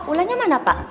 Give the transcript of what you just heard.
wulannya mana pak